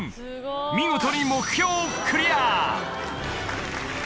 見事に目標クリア！